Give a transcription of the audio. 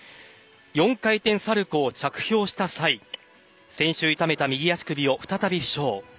４回転サルコウを着氷した際先週痛めた右足首を再び負傷。